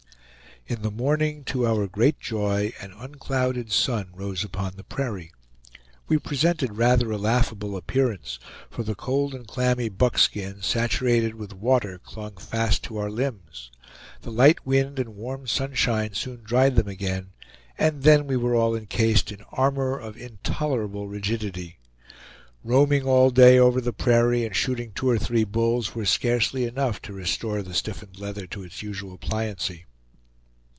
In the morning, to our great joy, an unclouded sun rose upon the prairie. We presented rather a laughable appearance, for the cold and clammy buckskin, saturated with water, clung fast to our limbs; the light wind and warm sunshine soon dried them again, and then we were all incased in armor of intolerable rigidity. Roaming all day over the prairie and shooting two or three bulls, were scarcely enough to restore the stiffened leather to its usual pliancy.